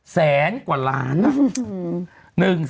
แสนกว่าล้านนะ